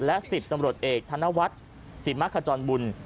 และ๑๐ตำรวจเอกธนวัตรศิษย์มักขจรบุญ